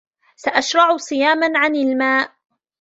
سأشرع صياما عن الماء.